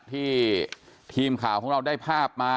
ทีมข่าวของเราได้ภาพมา